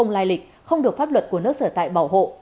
lai lịch không được pháp luật của nước sở tại bảo hộ